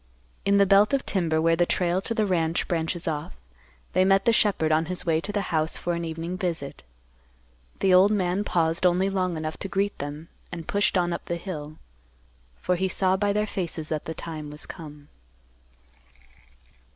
In the belt of timber, where the trail to the ranch branches off, they met the shepherd on his way to the house for an evening visit. The old man paused only long enough to greet them, and pushed on up the hill, for he saw by their faces that the time was come.